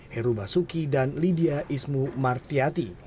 heru basuki dan lydia ismu martiati